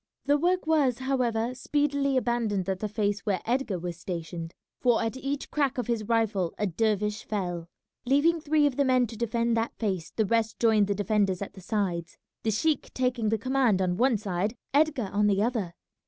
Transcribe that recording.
The work was, however, speedily abandoned at the face where Edgar was stationed, for at each crack of his rifle a dervish fell. Leaving three of the men to defend that face the rest joined the defenders at the sides, the sheik taking the command on one side, Edgar on the other.